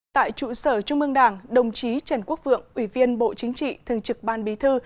tại trụ sở trung mương đảng đồng chí trần quốc vượng ủy viên bộ chính trị thường trực ban bí thư